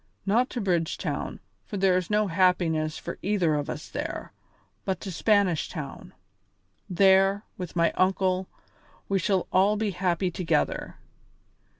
Not to Bridgetown, for there is no happiness for either of us there, but to Spanish Town. There, with my uncle, we shall all be happy together.